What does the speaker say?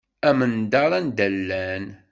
Amendeṛ anda llan.